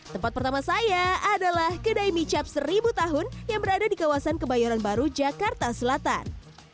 tempat pertama saya adalah kedai mie cap seribu tahun yang berada di kawasan kebayoran baru jakarta selatan